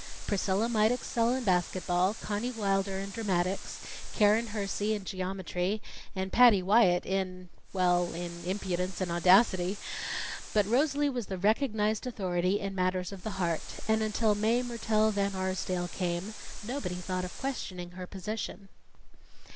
Priscilla might excel in basket ball, Conny Wilder in dramatics, Keren Hersey in geometry and Patty Wyatt in well, in impudence and audacity but Rosalie was the recognized authority in matters of the heart; and until Mae Mertelle Van Arsdale came, nobody thought of questioning her position.